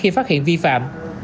khi phát hiện vi phạm